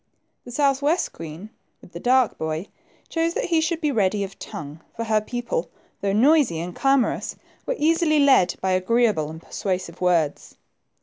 The south west queen, with the dark boy, chose that he should be ready of tongue for her people, though noisy and clamorous, were easily led by agreeable and persuasive words.